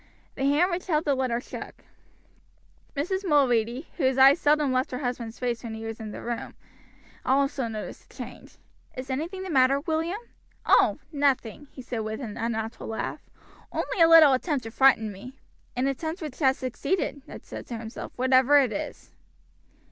The hand which held the letter shook. Mrs. Mulready, whose eyes seldom left her husband's face when he was in the room, also noticed the change. "Is anything the matter, William?" "Oh! nothing," he said with an unnatural laugh, "only a little attempt to frighten me." "An attempt which has succeeded," Ned said to himself, "whatever it is."